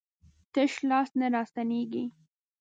تش لاس نه راستنېږي.